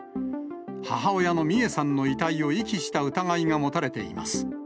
母親の美恵さんの遺体を遺棄した疑いが持たれています。